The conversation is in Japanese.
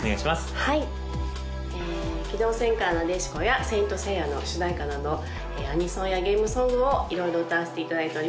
はい「機動戦艦ナデシコ」や「聖闘士星矢」の主題歌などアニソンやゲームソングを色々歌わせていただいております